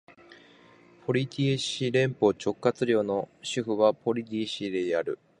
ポンディシェリ連邦直轄領の首府はポンディシェリである